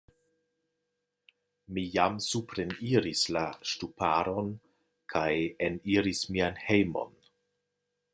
Mi jam supreniris la ŝtuparon kaj eniris mian hejmon.